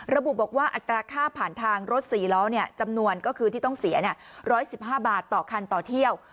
ระบุบอกว่าอัตราค่าผ่านทางรถ๔ล้อจำนวนก็คือที่ต้องเสีย๑๑๕บาทต่อคันต่อเที่ยว